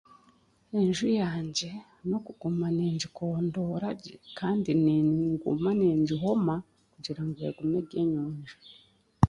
Enju yangye n'okuguma ningikondoora gye kandi ninguma ningihoma egume eri enyonjo